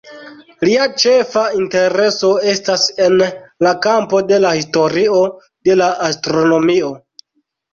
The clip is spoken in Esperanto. Lia ĉefa intereso estas en la kampo de la historio de la astronomio.